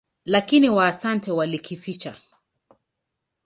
Lakini Waasante walikificha.